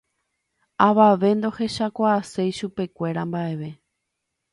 Avave ndohechakuaaséi chupekuéra mbaʼeve.